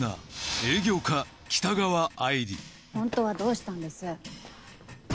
本当はどうしたんです？